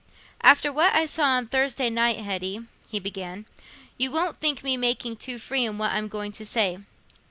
"After what I saw on Thursday night, Hetty," he began, "you won't think me making too free in what I'm going to say.